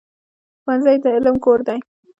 ښوونځی د علم کور دی.